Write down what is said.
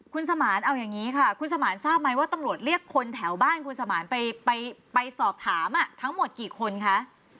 คุณสมานเอาอย่างนี้ค่ะคุณสมานทราบไหมว่าตำรวจเรียกคนแถวบ้านคุณสมานไปสอบถามทั้งหมดกี่คนคะ